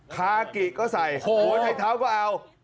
คากิก็ใส่โอ้โหไทยเท้าก็เอา